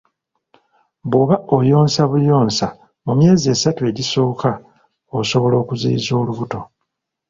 Bw'oba oyonsa buyonsa mu myezi esatu egisooka, osobola okuziyiza olubuto.